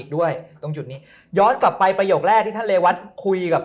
ด้วยตรงจุดนี้ย้อนกลับไปประโยคแรกที่ท่านเรวัตคุยกับ